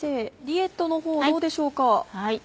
リエットのほうどうでしょうか？